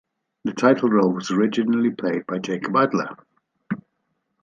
The title role was originally played by Jacob Adler.